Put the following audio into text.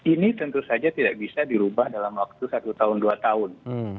ini tentu saja tidak bisa dirubah dalam waktu satu tahun dua tahun